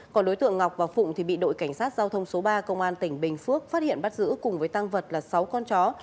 còn đối tượng ngọc và phụng thì bị đội cảnh sát giao thông số ba công an tỉnh bình phước phát hiện bắt giữ cùng với tăng vật là sáu con chó